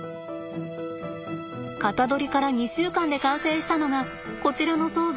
型取りから２週間で完成したのがこちらの装具